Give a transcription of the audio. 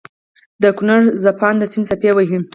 دکونړ څپانده سيند څپې وهي